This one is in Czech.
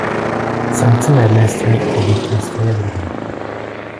Sankce na jedné straně a pobídky na straně druhé.